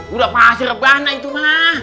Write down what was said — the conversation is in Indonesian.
udah pasti rebana itu mah